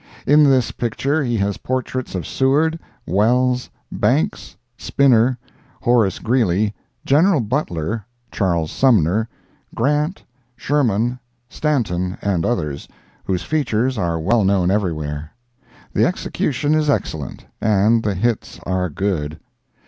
In this picture he has portraits of Seward, Welles, Banks, Spinner, Horace Greeley, General Butler, Charles Sumner, Grant, Sherman, Stanton and others, whose features are well know everywhere. The execution is excellent, and the hits are good.